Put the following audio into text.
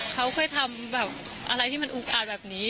เขาเคยทำอะไรที่มันอุปกรณ์แบบนี้